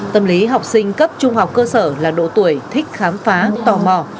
tâm lý học sinh cấp trung học cơ sở là độ tuổi thích khám phá tò mò